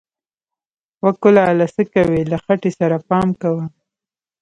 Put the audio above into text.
و کلاله څه کوې، له خټې سره پام کوه!